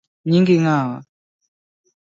Nyingi ng’awa?